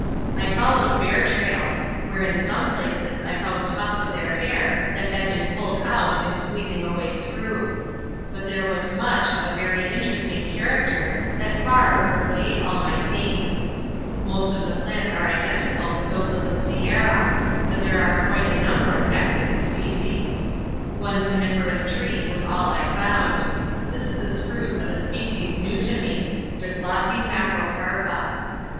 I followed bear trails, where in some places I found tufts of their hair that had been pulled out in squeezing a way through; but there was much of a very interesting character that far overpaid all my pains. Most of the plants are identical with those of the Sierra, but there are quite a number of Mexican species. One coniferous tree was all I found. This is a spruce of a species new to me, Douglasii macrocarpa.